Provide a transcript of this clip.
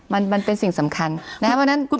มันเป็นสิ่งสำคัญนะครับ